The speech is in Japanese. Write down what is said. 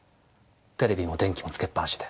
テレビも電気も点けっぱなしで。